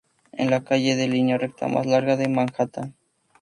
Es la calle en línea recta más larga de Manhattan.